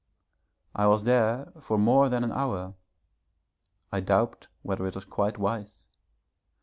I was there for more than an hour. I doubt whether it was quite wise.